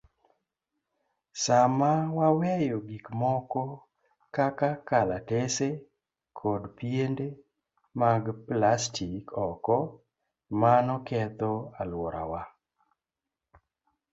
Sama waweyo gik moko kaka kalatese kod piende mag plastik oko, mano ketho alworawa.